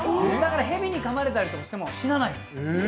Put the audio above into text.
だからへびにかまれたりしても死なない。